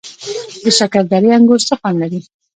د شکردرې انګور څه خوند لري؟